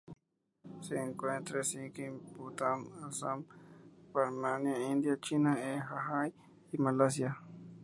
Se encuentra en Sikkim, Bután, Assam, Birmania, India, China en Hainan y Malasia